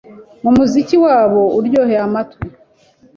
mu muziki wabo uryoheye amatwi.